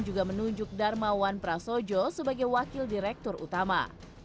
juga menunjuk darmawan prasojo sebagai wakil direktur utama